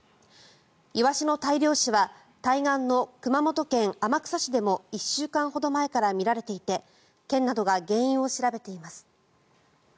イワシの大量死は対岸の熊本県天草市でも１週間ほど前から見られていて県などが原因を調べています。